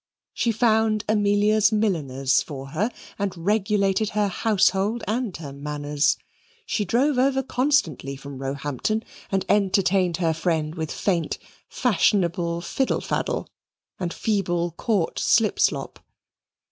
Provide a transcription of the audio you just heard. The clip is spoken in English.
She found Amelia's milliners for her and regulated her household and her manners. She drove over constantly from Roehampton and entertained her friend with faint fashionable fiddle faddle and feeble Court slip slop.